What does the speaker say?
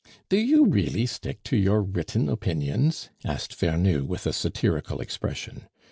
"Do you really stick to your written opinions?" asked Vernou, with a satirical expression.